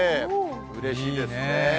うれしいですね。